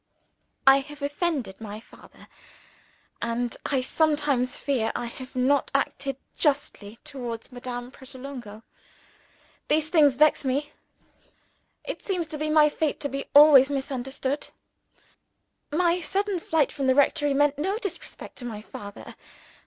I have offended my father; and I sometimes fear I have not acted justly towards Madame Pratolungo. These things vex me. It seems to be my fate to be always misunderstood. My sudden flight from the rectory meant no disrespect to my father.